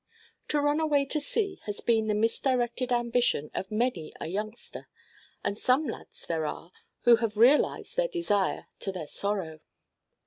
To run away to sea has been the misdirected ambition of many a youngster, and some lads there are who have realized their desire to their sorrow.